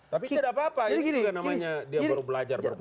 tapi tidak apa apa ini juga namanya dia baru belajar berpolitik